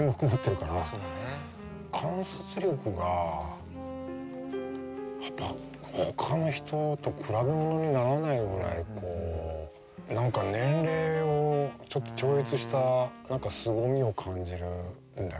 観察力がやっぱほかの人と比べ物にならないぐらいこう何か年齢をちょっと超越したすごみを感じるんだけど。